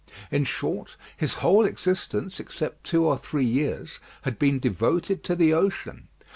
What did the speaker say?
In short, his whole existence, except two or three years, had been devoted to the ocean.